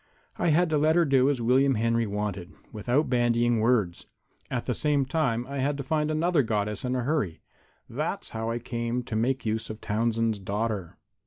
I had to let her do as William Henry wanted, without bandying words. At the same time I had to find another Goddess in a hurry. That's how I came to make use of Townsend's daughter."